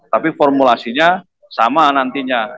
tapi formulasinya sama nantinya